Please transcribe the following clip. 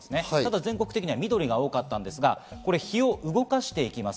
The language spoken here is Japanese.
全国的には緑が多かったんですが、これ、日を動かしていきます。